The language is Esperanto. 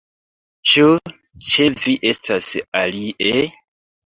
Ĉu ĉe vi estas alie?